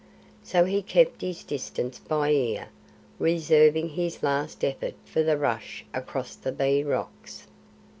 So he kept his distance by ear, reserving his last effort for the rush across the Bee Rocks.